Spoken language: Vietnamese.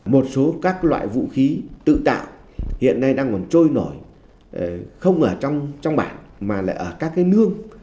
một số các loại vũ khí tự tạo hiện nay đang còn trôi nổi không ở trong bản mà lại ở các cái nương